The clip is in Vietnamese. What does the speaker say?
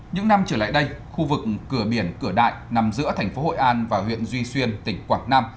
những năm trở lại đây khu vực cửa biển cửa đại nằm giữa thành phố hội an và huyện duy xuyên tỉnh quảng nam